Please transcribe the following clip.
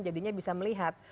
jadinya bisa melihat